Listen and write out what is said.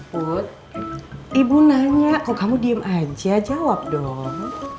put ibu nanya kok kamu diem aja jawab dong